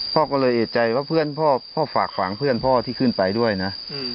พ่อก็เลยเอกใจว่าเพื่อนพ่อฝากฝังเพื่อนพ่อที่ขึ้นไปด้วยนะ